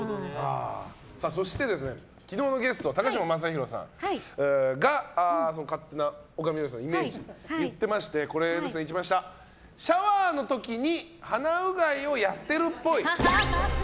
そして、昨日のゲスト高嶋政宏さんが勝手な丘みどりさんのイメージを言っていまして、シャワーの時に鼻うがいやってるっぽい。